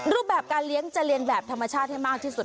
รูปแบบการเลี้ยงจะเรียนแบบธรรมชาติให้มากที่สุด